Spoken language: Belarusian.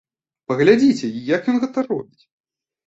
Паглядзіце, як ён гэта робіць!